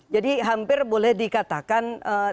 jadi hampir boleh dikatakan